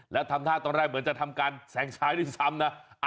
แล้วทำท่าตอนแรกเหมือนจะทำการแสงซ้ายด้วยซ้ำนะ